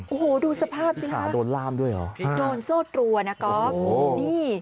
โอ้โฮโอ้โฮดูสภาพสิค่ะโดนโซ่ตรวนนะก๊อฟนี่